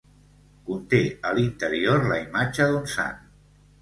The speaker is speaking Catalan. Conté a l'interior la imatge d'un Sant.